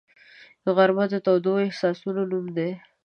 غرمه د تودو احساسونو نوم دی